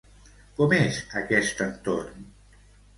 Com és, aquest entorn?